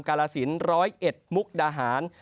กาลสินร้อยเอ็ดมุกดาหาร